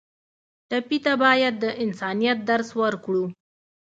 ټپي ته باید د انسانیت درس ورکړو.